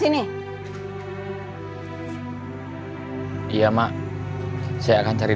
ini gara gara kamu sobri